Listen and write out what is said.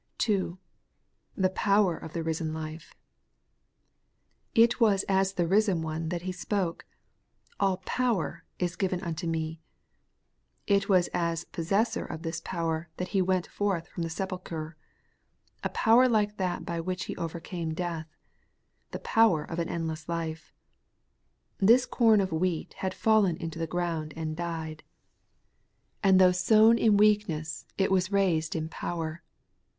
2. The power of the risen life. It was as the risen One that He spoke, ' All power is given unto me.' It was as possessor of this power that He went forth from the sepulchre; a power like that by which He overcame death; 'the power of an endless life.' This com of wheat had fallen into the ground and died ; and though sown in weakness, 136 The Everlasting Righteousness, it was raised in power.